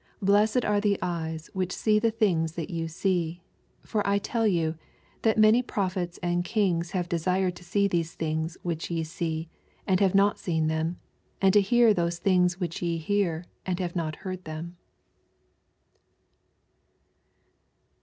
Blessed are the eyes.which see the tmngs that ye see : 24 For I tell vou, that many pro* phets and kin^ have desired to see those things which ye see. and have not seen them; and to near those things which ye hear, and have not heard them.